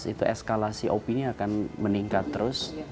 itu eskalasi opini akan meningkat terus